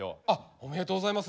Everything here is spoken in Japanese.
おめでとうございます！